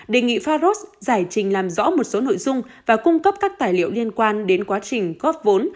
đề nghị faros giải trình làm rõ một số nội dung và cung cấp các tài liệu liên quan đến quá trình góp vốn